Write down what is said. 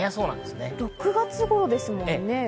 ６月頃ですもんね。